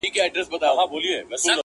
پر تاخچو، پر صندوقونو پر کونجونو،